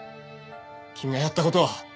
君がやった事は。